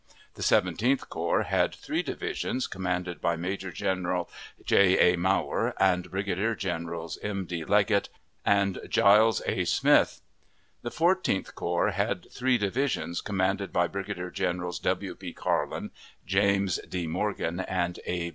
The Seventeenth Corps had three divisions, commanded by Major General J. A. Mower, and Brigadier Generals M. D. Leggett and Giles A. Smith. The Fourteenth Corps had three divisions, commanded by Brigadier Generals W. P. Carlin, James D. Morgan, and A.